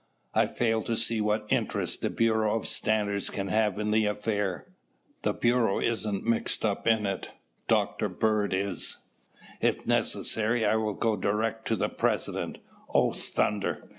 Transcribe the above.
"I fail to see what interest the Bureau of Standards can have in the affair." "The Bureau isn't mixed up in it; Dr. Bird is. If necessary, I will go direct to the President. Oh, thunder!